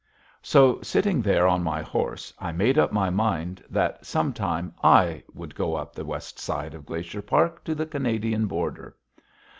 So, sitting there on my horse, I made up my mind that sometime I would go up the west side of Glacier Park to the Canadian border.